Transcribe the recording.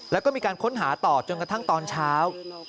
แล้วก็มีการค้นหาต่อจนกระทั่งตอนเช้า